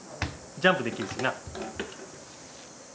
ジャンプできるしな。